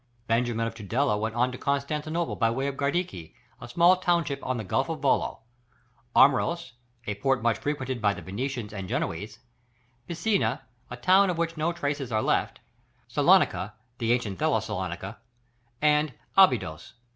Benjamin of Tudela went on to Constantinople by way of Gardiki, a small township on the Gulf of Volo, Armyros, a port much frequented by the Venetians and Genoese, Bissina, a town of which no traces are left, Salonica, the ancient Thessalonica, and Abydos.